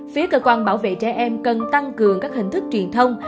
phía cơ quan bảo vệ trẻ em cần tăng cường các hình thức truyền thông